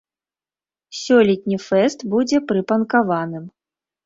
Сёлетні фэст будзе прыпанкаваным.